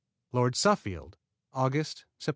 Lord Suffield Aug., Sept.